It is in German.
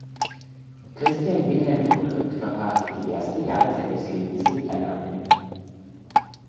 Christian Wilhelm von Glück verbrachte die ersten Jahre seines Lebens in Erlangen.